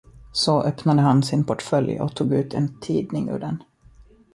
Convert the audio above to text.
Så öppnade han sin portfölj och tog ut en tidning ur den.